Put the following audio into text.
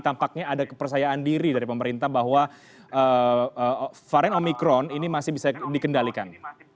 tampaknya ada kepercayaan diri dari pemerintah bahwa varian omikron ini masih bisa dikendalikan